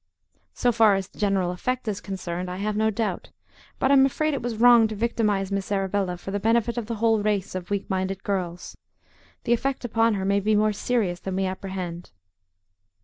"So far as the general effect is concerned, I have no doubt; but I'm afraid it was wrong to victimize Miss Arabella for the benefit of the whole race of weak minded girls. The effect upon her may be more serious than we apprehend."